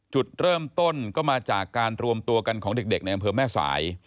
จุดเริ่มต้นก็มาจากการรวมตัวกันของเด็กในอำเภอแม่สาย